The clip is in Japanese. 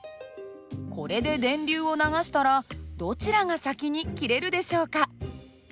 これで電流を流したらどちらが先に切れるでしょうか。